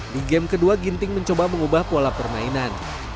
di game kedua ginting mencoba mengubah pola permainan